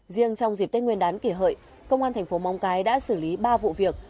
riêng trong dịp tết nguyên đán kỷ hợi công an thành phố móng cái đã xử lý ba vụ việc